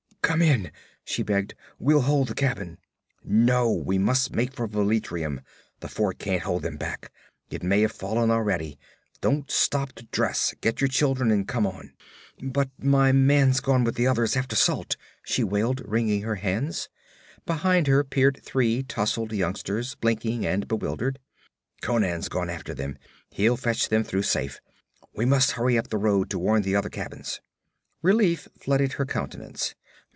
'Come in!' she begged. 'We'll hold the cabin.' 'No. We must make for Velitrium. The fort can't hold them back. It may have fallen already. Don't stop to dress. Get your children and come on.' 'But my man's gone with the others after salt!' she wailed, wringing her hands. Behind her peered three tousled youngsters, blinking and bewildered. 'Conan's gone after them. He'll fetch them through safe. We must hurry up the road to warn the other cabins.' Relief flooded her countenance.